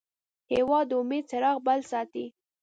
هېواد د امید څراغ بل ساتي.